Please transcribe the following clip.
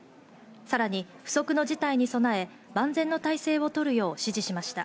さらに不測の事態に備え、万全の態勢をとるよう指示しました。